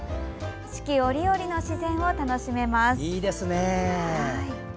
四季折々の自然を楽しめます。